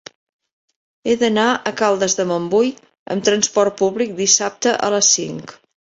He d'anar a Caldes de Montbui amb trasport públic dissabte a les cinc.